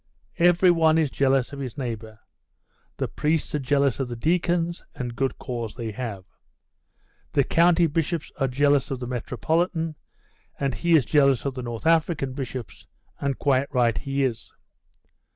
Every one is jealous of his neighbour. The priests are jealous of the deacons, and good cause they have. The county bishops are jealous of the metropolitan, and he is jealous of the North African bishops, and quite right he is.